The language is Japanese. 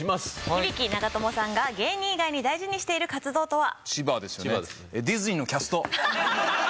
響長友さんが芸人以外に大事にしている活動とは？